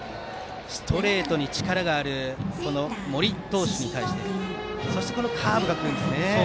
ストレートに力のある森投手に対してそしてカーブが来るんですね。